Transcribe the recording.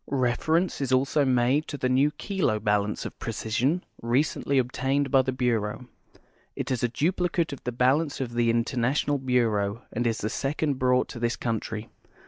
Reference is also made to the new Kilo 1)alance of precision recently obtaiiu'd by the Burcuui. It is a dui)li cate of the balance of the International Bureau and is tlie second brought to this country.